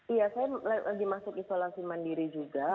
iya saya lagi masuk isolasi mandiri juga